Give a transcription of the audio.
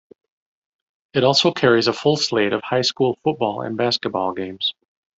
It also carries a full slate of high school football and basketball games.